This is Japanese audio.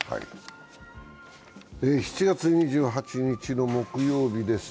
７月２８日の木曜日です。